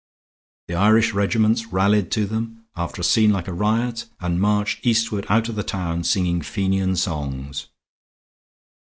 The Irish regiments rallied to them, after a scene like a riot, and marched eastward out of the town singing Fenian songs.